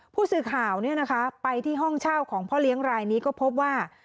ผู้สื่อข่าวไปที่ห้องเช่าของพ่อเลี้ยงรายนี้ก็พบว่า